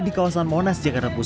di kawasan monas jakarta pusat